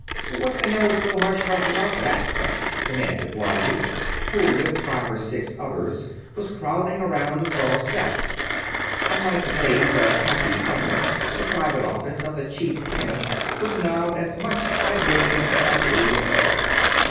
"But what the hell's so hush hush about that stuff?" demanded Blondie, who, with five or six others, was crowding around the Czar's desk. Unlike the days of Cappy Sumner, the private office of the Chief Chemist was now as much Siberia as Siberia itself.